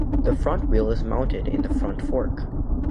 The front wheel is mounted in the front fork.